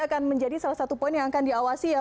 akan menjadi salah satu poin yang akan diawasi ya